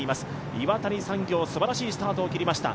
岩谷産業、すばらしいスタートを切りました。